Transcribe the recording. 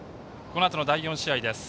このあとの第４試合です。